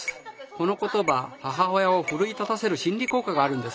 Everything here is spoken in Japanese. この言葉母親を奮い立たせる心理効果があるんです。